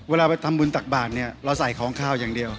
เวลาไปทำบุญตักบาทเนี่ยเราใส่ของขาวอย่างเดียว